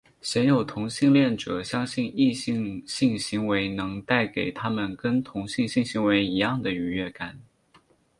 鲜有同性恋者相信异性性行为能带给他们跟同性性行为一样的愉悦感。